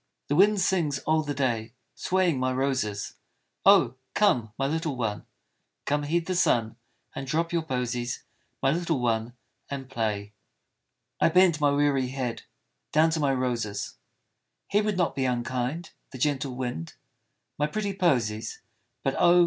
The wind sings all the day Swaying my roses, " Oh 1 come, my little one I Come, heed the sun And drop your posies ! My little one and play " 5 THE FLOWER GIRL I bend my weary head Down to my roses, " He would not be unkind, The gentle wind, My pretty posies But oh